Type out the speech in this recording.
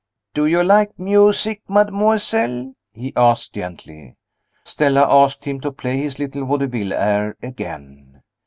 "Do you like music, mademoiselle?" he asked, gently. Stella asked him to play his little vaudeville air again.